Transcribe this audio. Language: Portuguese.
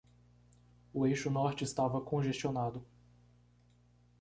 O eixo norte estava congestionado.